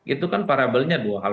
itu kan parabelnya dua hal